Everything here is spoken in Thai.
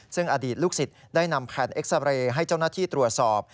ซึ่งอดีตลูกศิษย์ได้นำแผ่นเอ็กซาเรย์ให้เจ้าหน้าที่ตรวจสอบ